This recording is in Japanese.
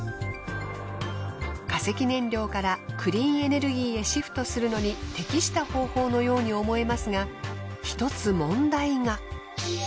化石燃料からクリーンエネルギーへシフトするのに適した方法のように思えますが一つ問題が。